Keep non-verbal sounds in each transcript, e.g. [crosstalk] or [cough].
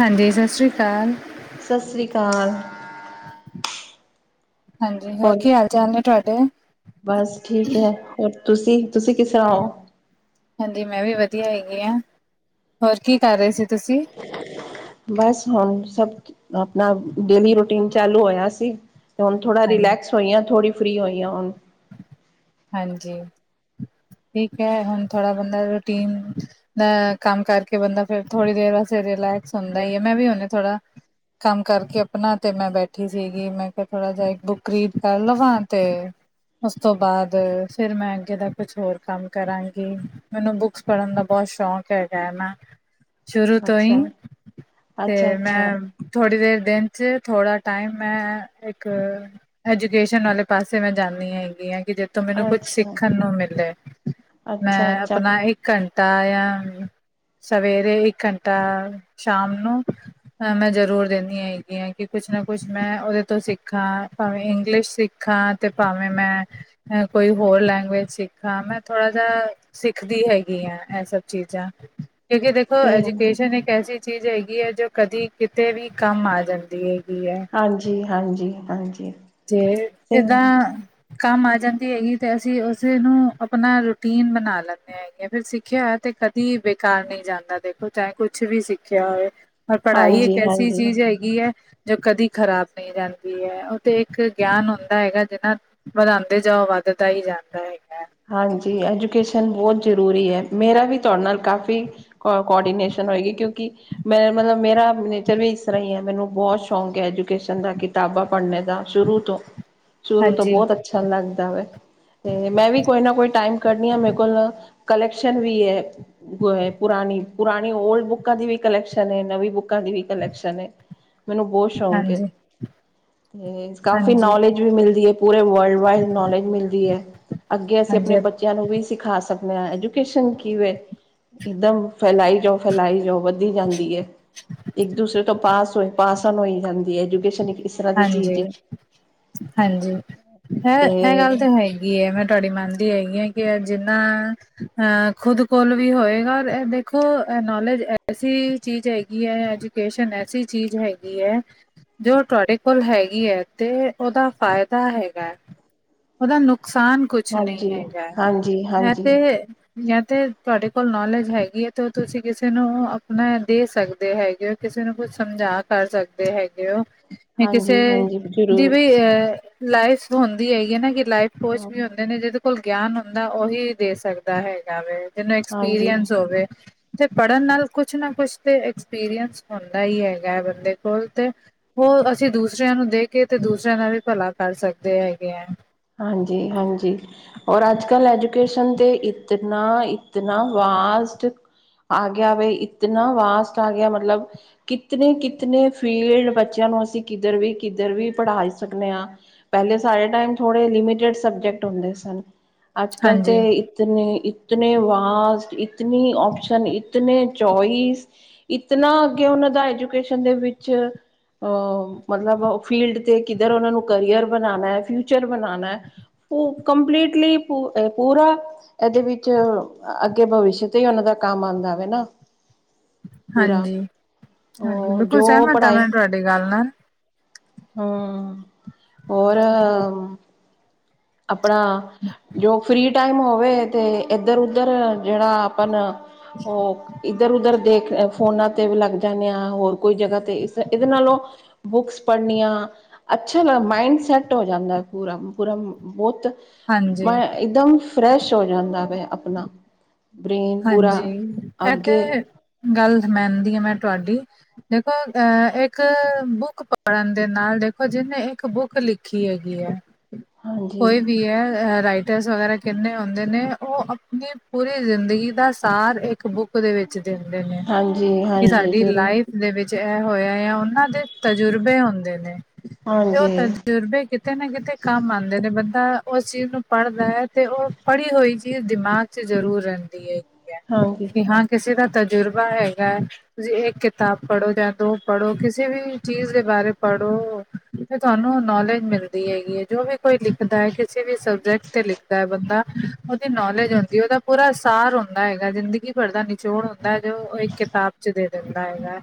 ਹਾਂਜੀ, ਸਤਿ ਸ਼੍ਰੀ ਅਕਾਲ। ਸਤਿ ਸ੍ਰੀ ਅਕਾਲ। ਹਾਂਜੀ ਹੋਰ, ਕੀ ਹਾਲ ਚਾਲ ਨੇ ਤੁਹਾਡੇ ਬਸ ਠੀਕ ਹੈ, ਹੋਰ ਤੁਸੀਂ, ਤੁਸੀਂ ਕਿਸ ਤਰਾਂ ਹੋ? ਹਾਂਜੀ ਮੈਂ ਵੀ ਵਧੀਆ ਹੈਗੀ ਹਾਂ। ਹੋਰ ਕੀ ਕਰ ਰਹੇ ਸੀ ਤੁਸੀਂ? ਬਸ ਹੁਣ ਸਭ ਆਪਣਾ, ਡੇਲੀ ਰੂਟੀਨ ਚਾਲੂ ਹੋਇਆ ਸੀ। ਹੁਣ ਥੋੜਾ ਹਾਂਜੀ ਰਿਲੈਕਸ ਹੋਈਆਂ। ਥੋੜੀ ਫਰੀ ਹੋਈਆਂ ਹੁਣ। ਹਾਂਜੀ ਠੀਕ ਹੈ, ਹੁਣ ਥੋੜਾ ਬੰਦਾ ਰੂਟੀਨ। ਅ ਕੰਮ ਕਰਕੇ ਬੰਦਾ ਫੇਰ ਥੋੜੀ ਦੇਰ ਵਾਸਤੇ ਰਿਲੈਕਸ ਹੁੰਦਾ ਹੀ ਹੈ। ਮੈਂ ਵੀ ਉਹਨੇ ਥੋੜਾ। ਕੰਮ ਕਰਕੇ ਆਪਣਾ ਤੇ ਮੈਂ ਬੈਠੀ ਸੀਗੀ। ਮੈਂ ਕਿਹਾ ਥੋੜਾ ਜਿਹਾ ਇੱਕ ਬੁੱਕ, ਰੀਡ ਕਰ ਲਵਾਂ ਤੇ। ਉਸ ਤੋਂ ਬਾਅਦ- ਫਿਰ ਮੈਂ ਅੱਗੇ ਦਾ ਕੁਛ ਹੋਰ ਕੰਮ ਕਰਾਂਗੀ, ਮੈਨੂੰ ਬੁੱਕਸ ਪੜ੍ਹਨ ਦਾ ਬਹੁਤ ਸ਼ੌਂਕ ਹੈਗਾ ਹੈ ਨਾ ਸ਼ੁਰੂ ਤੋਂ ਅੱਛਾ ਹੀ, ਅੱਛਾ ਤੇ ਅੱਛਾ ਮੈਂ- ਥੋੜ੍ਹੀ ਦੇਰ ਦਿਨ 'ਚ ਥੋੜਾ ਟਾਈਮ ਮੈਂ, ਇੱਕ ਐਜੂਕੇਸ਼ਨ ਵਾਲੇ ਪਾਸੇ ਮੈਂ ਜਾਂਦੀ ਹ ਹੈਗੀ ਆ ਕਿ ਤੋਂ ਮੈਨੂੰ ਕੁਛ ਅੱਛਾ ਸਿੱਖਣ ਨੂੰ ਮਿਲੇ ਅੱਛਾ ਮੈਂ ਅੱਛਾ ਆਪਣਾ ਇੱਕ ਘੰਟਾ ਜਾਂ, ਸਵੇਰੇ ਇੱਕ ਘੰਟਾ ਸ਼ਾਮ ਨੂੰ- ਅ ਮੈਂ ਜ਼ਰੂਰ ਦਿੰਦੀ ਹਾਂ ਹੈਗੀਆਂ ਕਿ ਕੁਛ ਨਾ ਕੁਛ ਮੈਂ ਉਹਦੇ ਤੋਂ ਸਿੱਖਾਂ ਭਾਵੇਂ ਇੰਗਲਿਸ਼ ਸਿੱਖਾਂ ਤੇ ਭਾਵੇਂ ਮੈਂ ਕੋਈ ਹੋਰ ਲੈਂਗੁਏਜ ਸਿੱਖਾਂ ਮੈਂ ਥੋੜਾ ਜਿਹਾ, ਸਿੱਖਦੀ ਹੈਗੀ ਆ, ਇਹ ਸਭ ਚੀਜ਼ਾਂ ਕਿਉਂਕਿ ਦੇਖੋ ਸੇਮ ਐਜੂਕੇਸ਼ਨ ਇੱਕ ਐਸੀ ਚੀਜ਼ ਹੈਗੀ ਹੈ ਜੋ ਕਦੀ ਕਿਤੇ ਵੀ ਕੰਮ ਆ ਜਾਂਦੀ ਹੈਗੀ ਹੈ। ਹਾਂਜੀ -ਹਾਂਜੀ -ਹਾਂਜੀ ਤੇ ਸੇਮ ਏਦਾਂ- ਕੰਮ ਆ ਜਾਂਦੀ ਹੈਗੀ ਤੇ ਅਸੀਂ ਉਸੇ ਨੂੰ ਆਪਣਾ ਰੂਟੀਨ ਬਣਾ ਲੈਂਦੇ ਹਾਂ। ਫਿਰ ਸਿੱਖਿਆ ਹੋ ਤੇ ਕਦੀ ਬੇਕਾਰ ਨਹੀਂ ਜਾਂਦਾ ਦੇਖੋ ਚਾਹੇ ਕੁਛ ਵੀ ਸਿੱਖਿਆ ਹੋਵੇ ਰ ਪੜ੍ਹਾਈ ਇੱਕ ਹਾਂਜੀ ਐਸੀ ਹਾਂਜੀ ਚੀਜ਼ ਹੈਗੀ ਹੈ ਜੋ ਕਦੀ ਖ਼ਰਾਬ ਨਹੀਂ ਜਾਂਦੀ ਹੈ ਤੇ ਇੱਕ ਗਿਆਨ ਹੁੰਦਾ ਹੈਗਾ ਜਿਹਨਾ ਵਧਾਉਂਦੇ ਜਾਓ ਵੱਧਦਾ ਹੀ ਜਾਂਦਾ ਹੈਗਾ ਹਾਂਜੀ ਐਜੂਕੇਸ਼ਨ ਬਹੁਤ ਜ਼ਰੂਰੀ ਹੈ ਮੇਰਾ ਵੀ ਤੁਹਾਡੇ ਨਾਲ ਕਾਫੀ- ਕੋ ਕੋਆਰਡੀਨੇਸ਼ਨ ਹੋਏਗੀ, ਕਿਉਂਕਿ ਮੈਂ ਮਤਲਬ ਮੇਰਾ ਨੇਚਰ ਵੀ ਇਸ ਤਰ੍ਹਾਂ ਹੀ ਹੈ ਮੈਨੂੰ ਬਹੁਤ ਸ਼ੌਂਕ ਹੈ ਐਜੂਕੇਸ਼ਨ ਦਾ ਕਿਤਾਬਾਂ ਪੜ੍ਹਨੇ ਦਾ- ਸ਼ੁਰੂ ਤੋਂ, ਸ਼ੁਰੂ ਤੋਂ ਹਾਂਜੀ ਬਹੁਤ ਅੱਛਾ ਲੱਗਦਾ ਵ ਤੇ ਮੈਂ ਵੀ- ਕੋਈ ਨਾ ਕੋਈ ਟਾਈਮ ਕੱਢਣੀ ਆ ਮੇਰੇ ਕੋਲ ਕਲੈਕਸ਼ਨ ਵੀ ਹੈ। ਗ ਹੈ ਪੁਰਾਣੀ ਪੁਰਾਣੀ ਓਲਡ ਬੁੱਕਾਂ ਦੀ ਵੀ ਕਲੈਕਸ਼ਨ ਹੈ ਨਵੀਂ ਬੁੱਕਾਂ ਦੀ ਵੀ ਕਲੈਕਸ਼ਨ, ਮੈਨੂੰ ਬਹੁਤ ਸ਼ੌਕ- ਹਾਂਜੀ ਅਤੇ ਕਾਫ਼ੀ ਹਾਂਜੀ ਨੌਲੇਜ ਵੀ ਮਿਲਦੀ ਹੈ ਪੂਰੇ ਵਰਲਡ ਵਾਈਡ ਨੌਲੇਜ ਮਿਲਦੀ ਹੈ। ਅੱਗੇ ਅਸੀਂ ਆਪਣੇ ਹਾਂਜੀ ਬੱਚਿਆਂ ਨੂੰ ਵੀ ਸਿਖਾ ਸਕਦੇ ਹਾਂ ਐਜੂਕੇਸ਼ਨ ਕੀ ਵੇ ਇਦਾ ਫੈਲਾਈ ਜਾਓ ਫੈਲਾਈ ਜਾਓ ਵੱਧਦੀ ਜਾਂਦੀ ਹੈ ਇੱਕ ਦੂਸਰੇ ਤੋਂ ਪਾਸ ਹੋਏ ਪਾਸ ਆ ਹੋ ਜਾਂਦੀ ਹੈ ਐਜੂਕੇਸ਼ਨ ਤਰ੍ਹਾਂ ਦੀ ਚੀਜ਼ ਹਾਂਜੀ- ਹੈ। ਹਾਂਜੀ- ਹੈ ਤੇ ਇਹ ਗੱਲ ਤਾਂ ਹੈ ਹੀ ਹੈਗੀ ਹੈ ਮੈਂ ਤੁਹਾਡੀ ਮੰਨਦੀ ਹੈਗੀ ਹਾਂ ਕਿ ਜਿੰਨਾ- ਅਹ ਖੁਦ ਕੋਲ ਵੀ ਹੋਏਗਾ ਔਰ ਦੇਖੋ ਨੌਲੇਜ ਐਸੀ ਚੀਜ਼ ਹੈਗੀ ਹੈ ਅਜ- ਐਸੀ ਚੀਜ਼ ਹੈਗੀ ਹੈ ਜੋ ਤੁਹਾਡੇ- ਹੋਰ ਹੈਗੀ ਹੈ ਤੇ ਉਹਦਾ ਫਾਇਦਾ ਹੈਗਾ ਹੈ ਉਹਦਾ ਨੁਕਸਾਨ ਕੁਛ ਨਹੀਂ ਹਾਂਜੀ ਹੈਗਾ ਹਾਂਜੀ ਹੈ ਹਾਂਜੀ ਤੇ ਜਾਂ ਤੇ ਤੁਹਾਡੇ ਕੋਲ ਨੌਲੇਜ ਹੈਗੀ ਹੈ ਤੇ ਤੁਸੀਂ ਕਿਸੇ ਨੂੰ ਆਪਣਾ ਦੇ ਸਕਦੇ ਹੈਗੇ ਹੋ ਕਿਸੇ ਨੂੰ ਕੁਛ ਸਮਝਾ ਕਰ ਸਕਦੇ ਹੈਗੇ ਹੋ- ਜਾਂ ਕਿਸੇ ਹਾਂਜੀ ਹਾਂਜੀ ਦੀ ਜ਼ਰੂਰ ਵੇ ਲਾਈਫ ਹੁੰਦੀ ਹੈਗੀ ਹੈ ਨਾ ਕਿ ਲਾਈਫ ਕੋਚ ਹਾਂ ਵੀ ਹੁੰਦੇ ਨੇ ਜਦੋਂ- ਕੋਲ ਗਿਆਨ ਹੁੰਦਾ ਉਹੀ ਦੇ ਸਕਦਾ ਹੈਗਾ ਵ ਜਿਹਨੂੰ ਹਾਂਜੀ ਐਕਸਪੀਰੀਅੰਸ ਹੋਵੇ। ਤੇ ਪੜ੍ਹਨ ਨਾਲ ਕੁਛ ਨਾ ਕੁਛ ਤੇ ਐਕਸਪੀਰੀਅੰਸ ਹੁੰਦਾ ਹੀ ਹੈਗਾ ਹੈ ਬੰਦੇ ਕੋਲ ਤੇ, ਉਹ ਅਸੀਂ ਦੂਸਰਿਆਂ ਨੂੰ ਦੇ ਕੇ ਤੇ ਦੂਸਰਿਆਂ ਨਾਲ ਵੀ ਭਲਾ ਕਰ ਸਕਦੇ ਹੈਗੇ ਹੈ ਹਾਂਜੀ- ਹਾਂਜੀ। ਔਰ ਅੱਜ ਕੱਲ੍ਹ ਐਜੂਕੇਸ਼ਨ ਤੇ ਇਤਨਾ ਇਤਨਾ ਵਾਸਟ ਆ ਗਿਆ ਬ ਇਤਨਾ ਵਾਸਟ ਆ ਗਿਆ ਮਤਲਬ ਕਿਤਨੇ ਕਿਤੇ ਫੀਲਡ ਬੱਚਿਆਂ ਨੂੰ ਅਸੀਂ ਕਿੱਧਰ ਵੀ ਕਿੱਧਰ ਵੀ ਪੜ੍ਹਾ ਸਕਦੇ ਹਾਂ ਪਹਿਲੇ ਸਾਡੇ ਟਾਈਮ ਥੋੜੇ ਲਿਮਿਟਡ ਸਬਜਕਿਟ ਹੁੰਦੇ ਸਨ। ਅੱਜ ਕੱਲ ਹਾਂਜੀ ਤੇ- ਇਤਨ ਇਤਨ ਵਾਸਟ ਇਤਨੀ ਓਪਸ਼ਨ ਇਤਨ ਚੋਇਸ ਇਤਨਾ ਅੱਗੇ ਉਹਨਾਂ ਦਾ ਐਜੂਕੇਸ਼ਨ ਦੇ ਵਿੱਚ- ਅਹ ਮਤਲਬ ਫੀਲਡ ਤੇ ਕਿੱਧਰ ਉਹਨਾਂ ਨੂੰ ਕਰੀਅਰ ਬਣਾਉਣਾ ਹੈ ਫਿਊਚਰ ਬਣਾਉਣਾ ਹੈ ਉਹ ਕੰਪਲੀਟਲੀ ਪੂਰਾ ਇਹਦੇ ਵਿੱਚ ਅੱਗੇ ਭਵਿਸ਼ ਤੇ ਹੀ ਉਹਨਾਂ ਦਾ ਕੰਮ ਆਉਂਦਾ ਰਵੇ ਨਾ ਪੂਰਾ ਹਾਂਜੀ ਹਾਂਜੀ ਉਹ ਬਿਲਕੁਲ ਜੋ ਸਹਿਮਤ ਆ ਪੜ੍ਹਾਈ ਮੈ ਤੁਹਾਡੇ ਗੱਲ ਨਾਲ ਹਮ ਹੋਰ ਆਪਣਾ ਜੋ ਫ੍ਰਰੀ ਟਾਈਮ ਹੋਵੇ ਅਤੇ ਇੱਧਰ ਉੱਧਰ ਜਿਹੜਾ ਆਪਣਾ ਉਹ ਇੱਧਰ ਉਧਰ ਦੇਖ ਫੋਨਾ ਤੇ ਵੀ ਲੱਗਦਾ ਜਾਂਦੇ ਹਾਂ ਹੋਰ ਕੋਈ ਜਗ੍ਹਾ ਤੇ ਇਸ ਇਹਦੇ ਨਾਲੋਂ ਬੁੱਕਸ ਪੜ੍ਹਨੀਆਂ ਅੱਛਾ ਮਾਇੰਡ ਸੈਟ ਹੋ ਜਾਂਦਾ ਪੂਰਾ ਪੂ ਬਹੁਤ ਹਾਂਜੀ ਮ ਇੱਕਦਮ ਫਰੈਸ਼ ਹੋ ਜਾਂਦਾ ਵਾ ਆਪਣਾ ਬ੍ਰੇਨ ਪੂਰਾ ਹਾਂਜੀ ਇਹ ਅੱਗੇ ਤੇ ਗੱਲ ਮਨਦੀ ਹਾਂ ਮੈਂ ਤੁਹਾਡੀ। ਦੇਖੋ ਅਹ ਇੱਕ ਬੁੱਕ ਪੜ੍ਹਨ ਦੇ ਨਾਲ ਦੇਖੋ ਜਿਹਨੇ ਇੱਕ ਬੁੱਕ ਲਿਖੀ। ਕਿ ਹੇਗੀ ਏ? ਹਾਂਜੀ ਕੋਈ ਵੀਏ ਹੈ ਰਾਈਟ [unintelligible] ਵੇਰਾ ਕਿੰਨੇ ਹੁੰਦੇ ਨੇ ਉ ਆਪਨੀ ਪੂਰੀ ਜ਼ਿੰਦਗੀ ਦਾ ਸਾਰ ਏਕ ਬੁੱਕ ਓਦੇ ਵਿੱਚ ਦਿੰਦੇ ਨੇ ਹਾਂਜੀ ਕਿ ਹਾਂਜੀ ਸਾਡੀ ਜ਼ਰੂਰ ਲਾਈਫ ਦੇ ਵਿੱਚ ਏ ਹੋਇਆ ਯਾ ਉਹਨਾਂ ਦੇ ਤਜੁਰਬੇ ਹੁੰਦੇ ਨੇ ਤੇ ਉ ਹਾਂਜੀ ਤਜੁਰਬੇਤੇ ਕਿ ਕਿਤੇ ਨਾ ਕਿਤੇ ਕੰਮ ਆਂਦੇ ਨੇ ਬੰਦਾ ਉਸ ਚੀਜ਼ ਨੂੰ ਪੜ੍ਹਦਾ ਐ ਤੇ ਉਹ ਪੜ੍ਹੀ ਹੋਈ ਚੀਜ਼ ਦਿਮਾਗ ਚ ਜ਼ਰੂਰ ਰੇਂਦੀ ਐ ਹੈ ਹਾਂਜੀ ਕਿ ਹਾਂ ਕਿਸੇ ਦਾ ਤਜਰਬਾ ਹੈਗਾ ਐ ਤੁਸੀਂ ਏਕ ਕਿਤਾਬ ਪੜ੍ਹੋ ਜਾਂ ਦੋ ਪੜ੍ਹੋ ਕਿਸੇ ਵੀ ਚੀਜ਼ ਦੇ ਬਾਰੇ ਪੜ੍ਹੋ ਤੇ ਤੁਆਨੂੰ ਨੌਲੇਜ ਮਿਲਦੀ ਹੈਗੀ ਐ ਜੋ ਵੀ ਕੋਈ ਲਿਖਦਾ ਏ ਕਿਸੇ ਵੀ ਸਬਜੈਕਟ ਤੇ ਲਿਖਦਾ ਐ ਬੰਦਾ ਉਦੀ ਨੌਲੇਜ ਹੁੰਦੀ ਉਦਾ ਪੂਰਾ ਸਾਰ ਹੁੰ ਹਦਾ ਹੈਗਾ ਜ਼ਿੰਦਗੀ ਭਰ ਦਾ ਨਿਚੋੜ ਹੁੰਦਾ ਹੈ ਜੋ ਉਹ ਇੱਕ ਕਿਤਾਬ ਚ ਦੇ ਦਿੰਦਾ ਹੈਗਾ।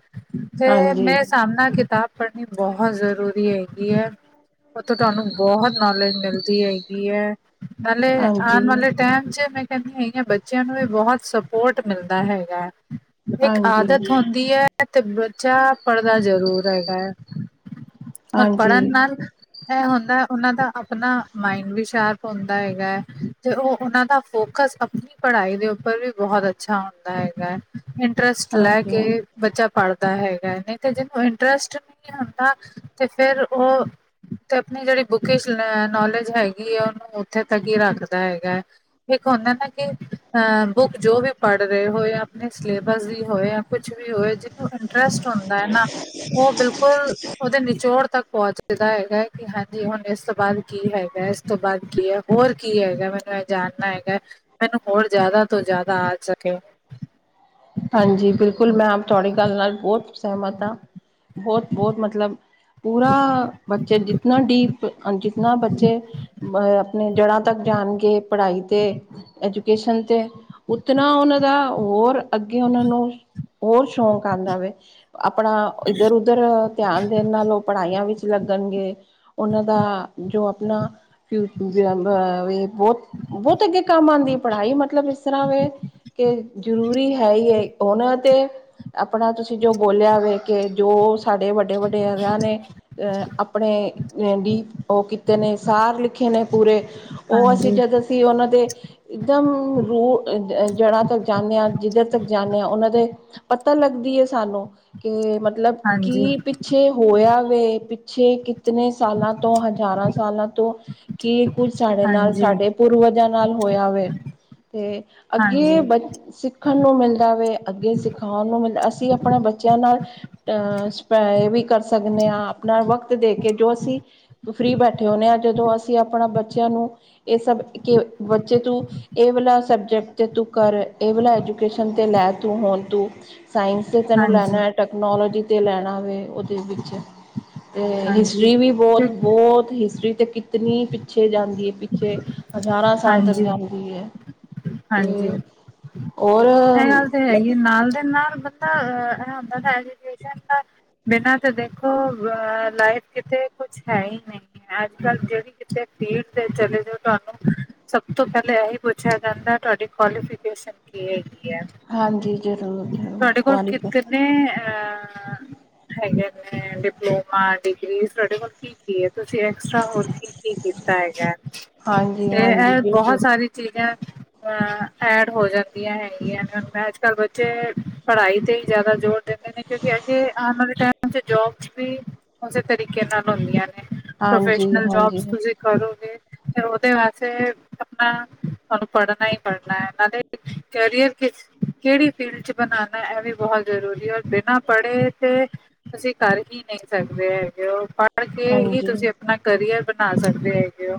ਤੇ ਹਾਂਜੀ ਮੇਰੇ ਸਾਬ ਨਾਲ ਕਿਤਾਬ ਪੜ੍ਹਨੀ ਬਹੁਤ ਜ਼ਰੂਰੀ ਹੈਗੀ ਹੈ। ਉੱਥੋਂ ਤੁਹਾਨੂੰ ਬਹੁਤ ਨੌਲੇਜ ਮਿਲਦੀ ਹੈਗੀ ਹੈ ਨਾਲੇ ਆਉਣ ਹਾਂਜੀ ਵਾਲੇ ਟਾਈਮ ਚ ਮੈਂ ਕਹਿੰਦੀ ਹੈਗੀਆਂ ਬੱਚਿਆਂ ਨੂੰ ਵੀ ਬਹੁਤ ਸਪੋਰਟ ਮਿਲਦਾ ਹੈਗਾ ਹੈ ਇੱਕ ਆਦਤ ਹਾਂਜੀ ਹੁੰਦੀ ਹੈ। ਤੇ ਬੱਚਾ ਪੜ੍ਹਦਾ ਜ਼ਰੂਰ ਹੈਗਾ ਹੈ ਰ ਪੜ੍ਹਨ ਹਾਂਜੀ ਨਾਲ ਇਹ ਹੁੰਦਾ ਉਹਨਾਂ ਦਾ ਆਪਣਾ ਮਾਇੰਡ ਵੀ ਸ਼ਾਰਪ ਹੁੰਦਾ ਹੈਗਾ ਹੈ ਤੇ ਉਹ ਉਹਨਾਂ ਦਾ ਫੋਕਸ ਪੜ੍ਹਾਈ ਦੇ ਉੱਪਰ ਵੀ ਬਹੁਤ ਅੱਛਾ ਹੁੰਦਾ ਹੈਗਾ ਹੈ ਇੰਟਰਸਟ ਲੈ ਹਾਂਜੀ ਕੇ ਬੱਚਾ ਪੜ੍ਹਦਾ ਹੈਗਾ ਨਹੀਂ ਤੇ ਜਿਹਨੂੰ ਇੰਟਰਸਟ ਨਹੀਂ ਹੁੰਦਾ ਤੇ ਫਿਰ ਉਹ ਤੇ ਆਪਣੀ ਜਿਹੜੀ ਬੁਕਸ ਨੋਲੇਜ ਹੈਗੀ ਆ ਉਹਨੂੰ ਉੱਥੇ ਤੱਕ ਰੱਖਦਾ ਹੈਗਾ ਹੈ। ਇੱਕ ਹੁੰਦਾ ਨਾ ਕਿ ਅਹ ਬੁੱਕ ਜੋ ਵੀ ਪੜ੍ਹ ਰਹੇ ਹੋਏ ਆਪ ਸਿਲੇਬਸ ਦੀ ਹੋਏ ਜਾਂ ਕੁਛ ਵੀ ਹੋਏ ਜਿਹਨੂੰ ਇੰਟਰਸਟ ਹੁੰਦਾ ਹੈ ਨਾ ਉਹ ਬਿਲਕੁਲ ਉਤੇ ਨਿਚੋੜ ਤੱਕ ਪਹੁੰਚਦਾ ਹੈਗਾ ਹੈ ਕਿ ਹਾਂਜੀ ਹੁਣ ਇਸ ਤੋਂ ਬਾਅਦ ਕੀ ਹੈਗਾ। ਏਸ ਤੋਂ ਬਾਅਦ ਕੀ ਐ? ਹੋਰ ਕੀ ਹੈਗਾ ਮੈਨੂੰ ਏ ਜਾਨਨਾ ਹੈਗਾ ਮੈਨੂੰ ਹੋਰ ਜ਼ਿਆਦਾ ਤੋਂ ਜ਼ਾਦਾ ਆ ਸਕੇ ਹਾਂਜੀ ਬਿਲਕੁਲ ਮੈਂ ਆਪ ਤੁਆਡੀ ਗੱਲ ਨਾਲ ਬੋਤ ਸੇਹਮਤ ਆਂ ਬੋਤ ਬੋਤ ਮਤਲਬ ਪੂਰਾ ਬੱਚੇ ਜਿਤਨਾ ਡੀਪ ਅ ਜਿਤਨਾ ਬੱਚੇ ਅ ਨੇ ਜੜ੍ਹਾਂ ਤੱਕ ਜਾਨਗੇ ਪੜ੍ਹਾਈ 'ਤੇ ਐਜੂ ਕੇਸ਼ਨ ਤੇ ਉਤਨਾ ਉਨਾਂ ਦਾ ਹੋਰ ਅੱਗੇ ਉਨਾਂ ਨੂੰ ਹੋਰ ਸ਼ੌਕ ਆਂਦਾ ਵੇ ਆਪਣਾ ਇੱਦਰ ਉੱਦਰ ਧਿਆਨ ਦੇਣ ਨਾਲੋਂ ਪੜ੍ਹਾਈਆਂ ਵਿੱਚ ਲੱਗਨਗੇ ਉਨਾਂ ਦਾ ਜੋ ਆਪਨਾ [unintelligible] ਬੋਤ-ਬੋਤ ਅੱਗੇ ਕੰਮ ਆਂਦੀ ਐ ਪੜ੍ਹਾਈ ਮਤਲਬ ਇਸ ਤਰ੍ਹਾਂ ਵੇ ਕੇ ਜ਼ਰੂਰੀ ਐ ਹੈਈ ਐ ਹੂਨ ਤੇ ਆਪਣਾ ਤੁਸੀਂ ਜੋ ਬੋਲਯਾ ਵੇ ਕੇ ਜੋ ਸਾਡੇ ਵੱਡ ਵੱਡੇਰਆਂ ਨੇ ਅਹ ਆਪਣੇ ਡੀ ਉਹ ਕੀਤੇ ਨੇ ਸਾਰ ਲਿਖੇ ਨੇ ਪੂਰੇ ਹਾਂਜੀ ਤੀ ਉਨਾਂ ਦੇ ਇੱਕਦਮ ਰੂ ਅ ਅ ਜੜ੍ਹਾਂ ਤੱਕ ਜਾਂਨੇ ਆ ਜਿੱਦੇ ਤ ਜਾਂਨੇ ਆ ਉਨਾਂ ਦੇ ਪਤਾ ਲੱਗਦੀ ਐ ਸਾਨੂੰ ਕੇ ਮਤਲਬ ਹਾਂਜੀ ਕੀ ਪਿੱਛੇ ਹੋਇਆ ਵੇ ਪਿੱਛੇ ਕਿਤਨੇ ਸਾਲਾਂ ਤੋਂ ਹਜ਼ਾਰਾਂ ਸਾਲਾਂ ਤੋਂ ਕੀ ਕੁੱਝ ਸਾਡੇ ਨਾਲ ਹਾਂਜੀ ਸਾਡੇ ਪੂਰਵਜਾਂ ਨਾਲ ਹੋਇਆ ਵੇ। ਤੇ ਅੱਗੇ ਹਾਂਜੀ ਬ ਸਿੱਖ ਨੂੰ ਮਿਲਦਾ ਵੇ ਅੱਗੇ ਸਿਖਾਉਣ ਨੂੰ ਮਿਲਦਾ ਅਸੀਂ ਆਪਣੇ ਬੱਚਿਆਂ ਨਾਲ ਅ ਸਪਾਏ ਵੀ ਕਰ ਸਗਨੇ ਆਂ ਆਪਣਾ ਵਕਤ ਦੇ ਕੇ ਜੋ ਅਸੀਂ ਫਰੀ ਬੈਠੇ ਹੋਂਨੇ ਆਂ ਜਦੋਂ ਅਸੀਂ ਆਪਣਾ ਬੱਚਿਆਂ ਨੂੰ ਏ ਸਬ ਕਿ ਬੱਚੇ ਤੂੰ ਏ ਵਾਲਾ ਸਬਜੈਕਟ ਤੂੰ ਕਰ ਏ ਵਾਲਾ ਏਜੂ ਤੂਇਸ਼ਨ ਤੇ ਲੈ ਤੂੰ ਹੋਨ ਤੂੰ ਸਾਇੰਸ 'ਚ ਤੈਨੂੰ ਹਾਂਜੀ ਲੈਣਾ ਐ ਟੈਕਨੋਲੋਜੀ 'ਤੇ ਲੈਣਾ ਵੇ ਉਦੇ ਵਿੱਚ ਤੇ ਹਾਂਜੀ ਹਿਸਟਰੀ ਵੀ ਬੋਤ-ਬੋਤ ਹਿਸਟਰੀ ਤੇ ਕਿ ਤਨੀ ਪਿੱਛੇ ਜਾਂਦੀ ਐ ਪਿੱਛੇ ਹਜ਼ਾਰਾਂ ਸਾਲ ਤੱਕ ਹਾਂਜੀ ਜਾਂਦੀ ਐ ਤੇ ਹਾਂਜੀ ਔਰ ਇਹ ਗੱਲ ਤੇ ਹੈਗੀ ਨਾਲ ਦੇ ਨਾਲ ਬਚੇ ਏ ਹੁੰਦਾ ਏਜੂਕੇਸ਼ਨ ਦਾ ਬਿਨਾਂ ਤਾਂ ਦੇਖੋ ਅ ਲਾਈਫ ਕਿਤੇ ਕੁਛ ਹੈ ਹੀ ਨਹੀਂ। ਅੱਜ ਕੱਲ੍ਹ ਜਿਹੜੀ ਕਿਥੇ ਕੀਤੇ ਪੀਡ ਤੇ ਚਲੇ ਜਾਉ। ਤੁਹਾਨੂੰ ਸਭ ਤੋਂ ਪਹਿਲਾਂ ਇਹੀ ਪੁੱਛਿਆ ਜਾਂਦਾ ਤੁਹਾਡੀ ਕੁਆਲੀਫਿਕੇਸ਼ਨ ਕੀ ਹੈਗੀ ਹੈ। ਹਾਂਜੀ ਜ਼ਰੂਰ ਜ਼ਰੂਰ ਤੁਹਾਡੇ ਕੋਲ ਕਿਤੇ ਕੁਆਲੀਫਾਈ ਨੇ ਅਹ ਹੈਗੇ ਨੇ ਡਿਪਲੋਮਾ ਡਿਗਰੀ ਤੁਹਾਡੇ ਕੋਲ ਕੀ ਕੀ ਹੈ ਤੁਸੀਂ ਹੋਰ ਕੀ ਕੀ ਕੀਤਾ ਹੈਗਾ ਹਾਂਜੀ ਤੇ ਹਾਂਜੀ ਇਹ ਬਹੁਤ ਬਿਲਕੁਲ ਸਾਰੀ ਚੀਜ਼ਾਂ ਅਹ ਐਡ ਹੋ ਜਾਂਦੀਆਂ ਹੈਗੀਆਂ ਨੇ ਅੱਜ ਕੱਲ ਬੱਚੇ ਪੜ੍ਹਾਈ ਤੇ ਹੀ ਜ਼ਿਆਦਾ ਜੋਰ ਦੇ ਨੇ ਕਿਉਂਕਿ ਅਗੇ ਆਉਣ ਵਾਲੇ ਟੈਮ ਚ ਜੋਬਸ ਵੀ ਉਸੇ ਤਰੀਕੇ ਨਾਲ ਹੁੰਦੀਆਂ ਨੇ ਹਾਂਜੀ ਪ੍ਰੋਫੈਸ਼ਨਲ ਹਾਂਜੀ ਜੋਬ ਤੁਸੀਂ ਕਰੋਗੇ ਫੇਰ ਉਹਦੇ ਵੈਸੇ ਆਪਣਾ ਤੁਹਾਨੂੰ ਪੜ੍ਹਨਾ ਈ ਪੜ੍ਹਨਾ ਏ ਨਾਲੇ ਕਰੀਅਰ ਵਿਚ ਕੇੜੀ ਫੀਲਡ ਚ ਬਨਾਨਾ ਇਹ ਵੀ ਬਹੁਤ ਜ਼ਰੂਰੀ ਹੈ ਔਰ ਬਿਨਾਂ ਪੜ੍ਹੇ ਤੇ ਤੁਸੀਂ ਕਰ ਹੀ ਨਹੀਂ ਸਕਦੇ ਹੈਗੇ ਉ ਪੜ ਕੇ ਹੀ ਹਾਂਜੀ ਤੁਸੀਂ ਆਪਣਾ ਕਰੀਅਰ ਬਣਾ ਸਕਦੇ ਹੈਗੇ ਓ।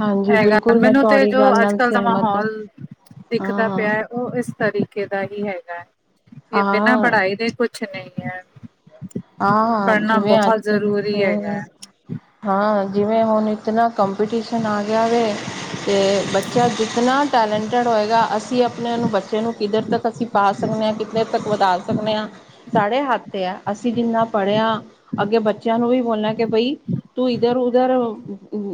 ਹਾਂਜੀ ਹੈਗਾ ਬਿਲਕੁਲ ਮੈਂ ਮੈਨੂੰ ਤੇ ਤੁਹਾਡੀ ਜੋ ਗੱਲ ਅੱਜ ਨਾਲ ਕੱਲ ਦਾ ਸਹਿਮਤ ਮਾਹੌਲ ਦਿਖਦਾ ਹਾਂ ਪਿਆ ਉ ਇਸ ਤਰੀਕੇ ਦਾ ਹੀ ਹੈਗਾ ਏ ਇਹ ਹਾਂ ਬਿਨਾਂ ਹਾਂ ਪੜ੍ਹਾਈ ਦੇ ਕੁਛ ਨਈ ਹੇ। ਹਾਂ ਜਿਵੇੰ ਅਜ ਕਲ ਹੈਗਾ ਹੈ ਹੂੰ ਹਾਂ ਜਿਵੇਂ ਹੁਨ ਇਤਨਾ ਕੰਪੀਟੀਸ਼ਨ ਆ ਗਿਆ ਵੇ ਤੇ ਬੱਚਾ ਜਿਤਨਾ ਟੈਲੈਂਟੇਡ ਹੋਏਗਾ ਅਸੀਂ ਆਪਣੇ ਨੂੰ ਬੱਚੇ ਨੂੰ ਕਿੱਦਰ ਤੱਕ ਅਸੀਂ ਪਾ ਸਕਦੇ ਹਾਂ ਕਿੱਥੇ ਤੱਕ ਵਧਾ ਸਕਦੇ ਹਾਂ ਸਾਡੇ ਹੱਥ ਹੈ ਅਸੀਂ। ਜਿੰਨਾ ਪੜ੍ਹਿਆ ਅੱਗੇ ਬੱਚਿਆਂ ਨੂੰ ਵੀ ਬੋਲਿਆ ਕਿ ਬਈ ਤੂੰ ਇੱਧਰ ਉਧਰ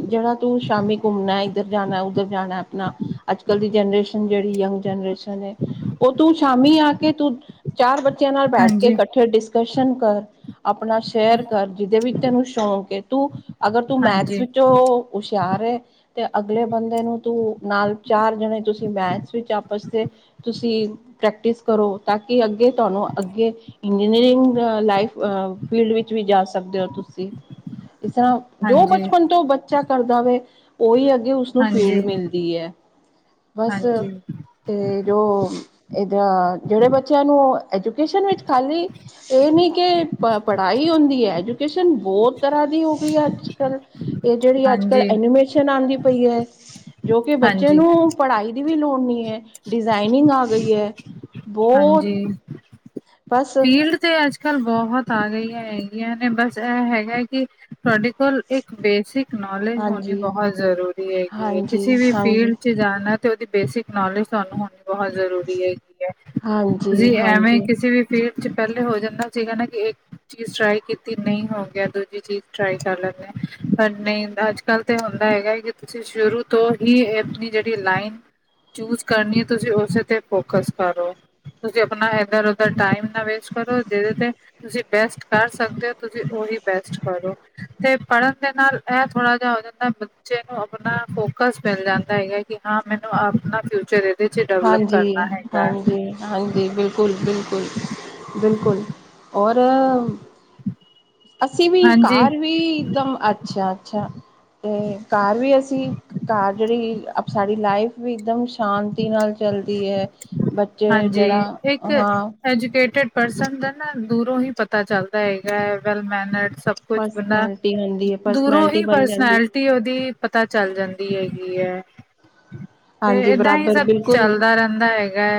ਜਿਹੜਾ ਤੂੰ ਸ਼ਾਮੀ ਘੁੰਮਣਾ ਇੱਧਰ ਜਾਣਾ ਉੱਧਰ ਜਾਣਾ ਆਪਣਾ ਅੱਜ ਕੱਲ੍ਹ ਦੀ ਜਨਰੇਸ਼ਨ ਜਿਹੜੀ ਯੰਗ ਜਨਰੇਸ਼ਨ ਏ ਉਹ ਤੂੰ ਸ਼ਾਮੀ ਆ ਕੇ ਤੂੰ ਚਾਰ ਬੱਚਿਆਂ ਨਾਲ ਬੈਠ ਕੇ ਹਾਂਜੀ ਇਕੱਠੇ ਡਿਸਕਸ਼ਨ ਕਰ ਆਪਣਾ ਸ਼ੇਅਰ ਕਰ ਜਿਹਦੇ ਵਿੱਚ ਤੈਨੂੰ ਸ਼ੌਂਕ ਏ ਤੂੰ ਅਗਰ ਤੂੰ ਮੈਥਸ ਹਾਂਜੀ ਵਿੱਚ ਜੋ ਹੁਸ਼ਿਆਰ ਏ ਤੇ ਅਗਲੇ ਬੰਦੇ ਨੂੰ ਤੂੰ ਨਾਲ ਚਾਰ ਜਣੇ ਤੁਸੀਂ ਮੈਚ ਵਿੱਚ ਆਪਸ ਦੇ ਤੁਸੀਂ ਪ੍ਰੈਕਟਿਸ ਕਰੋ ਤਾਂ ਕਿ ਅੱਗੇ ਤੁਹਾਨੂੰ ਅੱਗੇ ਇੰਜੀਨੀਅਰਿੰਗ ਲਾਈਫ ਫੀਲਡ ਵਿੱਚ ਵੀ ਜਾ ਸਕਦੇ ਹੋ ਤੁਸੀਂ ਇਸ ਤਰ੍ਹਾਂ ਜੋ ਹਾਂਜੀ ਬਚਪਨ ਤੋਂ ਬੱਚਾ ਕਰਦਾ ਹੋਵੇ ਉਹੀ ਅੱਗੇ ਉਸਨੂੰ ਫੀਲਡ ਹਾਂਜੀ ਮਿਲਦੀ ਹੈ ਬਸ ਹਾਂਜੀ ਤੇ ਜੋ ਏਦਾ ਜਿਹੜੇ ਬੱਚਿਆਂ ਨੂੰ ਐਜੂਕੇਸ਼ਨ ਵਿੱਚ ਖਾਲੀ ਇਹ ਨਹੀਂ ਕਿ ਪ ਪੜ੍ਹਾਈ ਹੁੰਦੀ ਹੈ ਐਜੂਕੇਸ਼ਨ ਬਹੁਤ ਤਰ੍ਹਾਂ ਦੀ ਹੋ ਗਈ ਹੈ ਅੱਜ ਕੱਲ੍ਹ ਇਹ ਜਿਹੜੀ ਅੱਜ ਕੱਲ੍ਹ ਹਾਂਜੀ ਐਨੀਮੇਸ਼ਨ ਆਉਂਦੀ ਪਈ ਹੈ ਜੋ ਕਿ ਬੱਚੇ ਹਾਂਜੀ ਨੂੰ ਪੜ੍ਹਾਈ ਦੀ ਵੀ ਲੋੜ ਨਹੀਂ ਹੈ ਡਿਜ਼ਾਇਨਿੰਗ ਆ ਗਈ ਹੈ ਬਹੁਤ ਹਾਂਜੀ ਬਸ ਫੀਲਡ ਤੇ ਅੱਜ ਕੱਲ ਬਹੁਤ ਆ ਗਈਆਂ ਹੈਗੀਆਂ ਨੇ ਬਸ ਇਹ ਹੈਗਾ ਕਿ ਤੁਹਾਡੇ ਕੋਲ ਇੱਕ ਬੇਸਿਕ ਨੋਲੇਜ ਹੋਣੀ ਹਾਂਜੀ ਬਹੁਤ ਜ਼ਰੂਰੀ ਹੈਗੀ ਹੈ ਹਾਂਜੀ ਕਿਸੀ ਵੀ ਫੀਲਡ ਹਾਂਜੀ 'ਚ ਜਾਨਾ ਤੇ ਉਹਦੀ ਬੇਸਿਕ ਨੌਲੇਜ ਤੁਹਾਨੂੰ ਹੋਣੀ ਬਹੁਤ ਜ਼ਰੂਰੀ ਹੈਗੀ ਐ ਹਾਂਜੀ ਤੁਸੀਂ ਐਵੇਂ ਹਾਂਜੀ ਕਿਸੇ ਵੀ ਫੀਡ ਚ ਪਹਿਲੇ ਹੋ ਜਾਂਦਾ ਸੀਗਾ ਨਾ ਕਿ ਚੀਜ਼ ਟਰਾਈ ਕੀਤੀ ਨਹੀਂ ਹੋ ਗਿਆ ਦੂਜੀ ਚੀਜ਼ ਟ੍ਰਈ ਕਰ ਲੈਣੇ ਪਰ ਨਹੀਂ ਅੱਜ, ਗੱਲ ਤੇ ਹੁੰਦਾ ਹੈਗਾ ਕਿ ਤੁਸੀਂ ਸ਼ੁਰੂ ਤੋਂ ਹੀ ਆਪਣੀ ਜਿਹੜੀ ਲਾਈਨ ਚੂਜ ਕਰਨੀ ਤੁਸੀਂ ਉਸੇ ਤੇ ਫੋਕਸ ਕਰੋ ਤੁਸੀਂ ਆਪਣਾ ਏਧਰ ਉਧਰ ਟਾਈਮ ਨਾ ਵੇਸਟ ਕਰੋ ਏਦੇ ਤੇ ਤੁਸੀਂ ਬੈਸਟ ਕਰ ਸਕਦੇ ਹੋ ਤੁਸੀਂ ਉਹੀ ਬੈਸਟ ਪੜ੍ਹੋ ਤੇ ਪੜ੍ਹਨ ਦੇ ਨਾਲ ਇਹ ਥੋੜ੍ਹਾ ਜਾ ਹੋ ਜਾਂਦਾ। ਬੱਚੇ ਨੂੰ ਆਪਣਾ ਫੋਕਸ ਮਿਲ ਜਾਂਦਾ ਹੈਗਾ ਕਿ ਹਾਂ ਮੈਨੂੰ ਆਪਣਾ ਫਿਊਚਰ ਇਹਦੇ ਚ ਡਿਵਲਪ ਹਾਂਜੀ ਕਰਨਾ ਹੈਗਾ। ਹਾਂਜੀ ਹਾਂਜੀ ਬਿਲਕੁਲ ਬਿਲਕੁਲ ਬਿਲਕੁਲ ਔਰ ਅਸੀਂ ਵੀ ਹਾਂਜੀ ਘਰ ਵੀ ਇੱਕਦਮ ਅੱਛਾ ਅੱਛਾ ਤੇ ਘਰ ਵੀ ਅਸੀਂ ਘਰ ਜਿਹੜੀ ਸਾਡੀ ਲਾਈਫ ਵੀ ਇੱਕਦਮ ਸ਼ਾਂਤੀ ਨਾਲ ਚੱਲਦੀ ਏ। ਬੱਚੇ ਜਿਹੜਾ ਹਾਂ ਐਜੂਕੇਟਡ ਪਰਸਨ ਦਾ ਨਾ ਦੂਰੋਂ ਹੀ ਪਤਾ ਚੱਲਦਾ ਹੈਗਾ ਵੈਲ ਮੈਨਰਡ ਸਭ ਕੁਛ ਬੰਦਾ ਪਰਸਨੈਲਿਟੀ ਹੁੰਦੀ ਹੈ ਦੂਰੋਂ ਪਰਸਨੈਲਿਟੀ ਹੀ ਬਣ ਜਾਂਦੀ ਪਰਸਨੈਲਿਟੀ ਉਹਦੀ ਪਤਾ ਚੱਲ ਜਾਂਦੀ ਹੈਗੀ ਐ। ਹਾਂਜੀ ਬਰਾਬਰ ਬਿਲਕੁਲ। ਦਾ ਰਹਿੰਦਾ ਹੈਗਾ।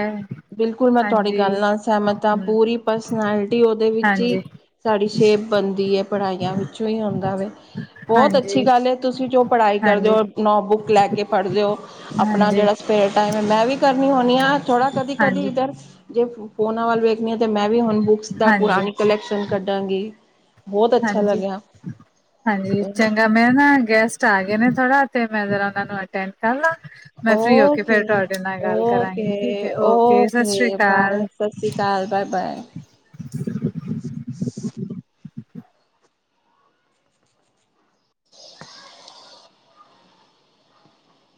ਬਿਲਕੁਲ ਮੈਂ ਤੁਹਾਡੀ ਹਾਂਜੀ ਗੱਲ ਨਾਲ ਸਹਿਮਤ ਹਾਂ ਹਮ ਪੂਰੀ ਪਰਸਨੈਲਿਟੀ ਉਹਦੇ ਵਿੱਚ ਹੀ। ਹਾਂਜੀ ਸਾਡੀ ਸ਼ੇਪ ਬਣਦੀ ਐ ਪੜ੍ਹਾਈਆਂ ਵਿੱਚੋਂ ਹੀ ਆਉਂਦਾ ਵੈ। ਬਹੁਤ ਅੱਛੀ ਹਾਂਜੀ ਗੱਲ ਐ ਤੁਸੀਂ ਜੋ ਪੜ੍ਹਾਈ ਕਰਦੇ ਹਾਂਜੀ ਹੋ ਨੋਟਬੁੱਕ ਲੈ ਕੇ ਪੜ੍ਹਦੇ ਹੋ। ਹਾਂਜੀ। ਸਵੇਰੇ ਟਾਈਮ ਮੈਂ ਵੀ ਕਰਨੀ ਹੁੰਨੀ ਆ ਥੋੜਾ ਕਦੀ ਕਦੀ ਹਾਂਜੀ ਇੱਧਰ ਜੇ ਫੋਨਾਂ ਵੱਲ ਵੇਖਣੀ ਆ ਤੇ ਮੈਂ ਵੀ ਹੁਣ ਬੁੱਕਸ ਦਾ ਹਾਂਜੀ ਪੁਰਾਣੀ ਕਲੈਕਸ਼ਨ ਕੱਢਾਂਗੀ। ਬਹੁਤ ਅੱਛਾ ਹਾਂਜੀ, ਲੱਗਿਆ ਹਾਂਜੀ ਚੰਗਾ। ਮੈਂ ਨਾ ਗੈਸਟ ਆ ਗਏ ਨੇ ਥੋੜਾ ਤੇ ਮੈਂ ਜਰਾ ਉਹਨਾਂ ਨੂੰ ਅਟੈਂਡ ਕਰ ਲਾਂ। ਮੈਂ ਫ੍ਰੀ ਹੋ ਕੇ ਫੇਰ ਓਕੇ ਤੁਹਾਡੇ ਨਾਲ ਗੱਲ ਕਰਾਂਗੀ ਠੀਕ ਐ ਓਕੇ ਓਕੇ ਸਤਿ ਸ਼੍ਰੀ ਬਾਏ ਅਕਾਲ। ਸਤਿ ਸ਼੍ਰੀ ਅਕਾਲ ਬਾਏ ਬਾਏ। [unintelligible]